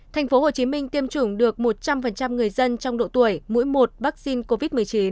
thành phố hồ chí minh tiêm chủng được một trăm linh người dân trong độ tuổi mỗi một vaccine covid một mươi chín